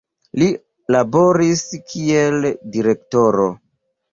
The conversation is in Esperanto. Li laboris kiel direktoro.